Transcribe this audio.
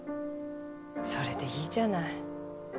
それでいいじゃない。